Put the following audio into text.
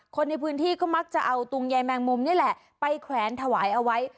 คนในพื้นที่ก็มักจะเอาตุงยายแมงมุมนี่แหละไปแขวนถวายเอาไว้